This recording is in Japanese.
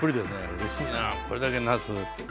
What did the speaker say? うれしいなこれだけなす。